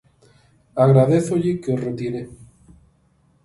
Agradézolle que o retire.